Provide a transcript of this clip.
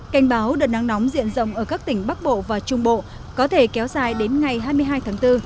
cảnh báo đợt nắng nóng diện rộng ở các tỉnh bắc bộ và trung bộ có thể kéo dài đến ngày hai mươi hai tháng bốn